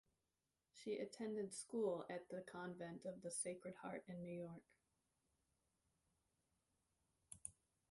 She attended school at the Convent of the Sacred Heart in New York.